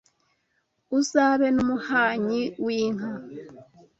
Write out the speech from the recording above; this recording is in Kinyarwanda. Uzabe n’Umuhanyi w’inka